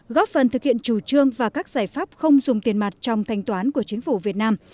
góp phần thực hiện chủ trương và các giải pháp không dùng tiền mặt trong thanh toán của chính phủ việt nam